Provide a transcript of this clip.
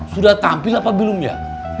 sudah tampil apa belum ya